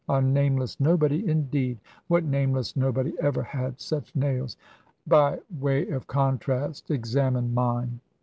A 'nameless nobody' indeed! What nameless nobody ever had such nails? By way of contrast examine mine."